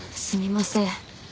すみません。